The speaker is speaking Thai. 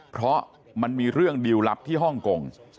เพราะมันมีเรื่องดีลลับที่ฮ่องกง